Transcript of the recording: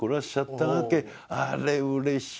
あれうれしや。